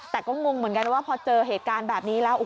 แต่ก็งงเหมือนกันว่าพอเจอเหตุการณ์แบบนี้แล้ว